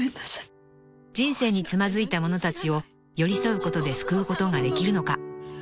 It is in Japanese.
［人生につまずいた者たちを寄り添うことで救うことができるのか］